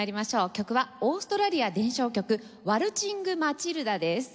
曲はオーストラリア伝承曲『ワルチング・マチルダ』です。